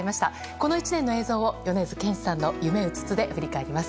この１年の映像を米津玄師さんの「ゆめうつつ」で振り返ります。